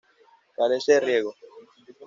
Carece de riego.